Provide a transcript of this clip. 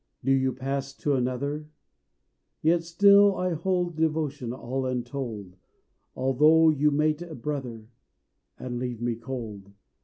Do you pass to another? Yet still I hold Devotion all untold; Although you mate a brother And leave me cold.